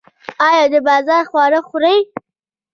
ایا د بازار خواړه خورئ؟